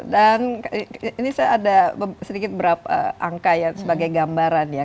dan ini saya ada sedikit berapa angka ya sebagai gambaran ya